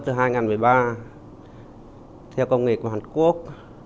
từ hai nghìn một mươi ba theo công nghệ của hàn quốc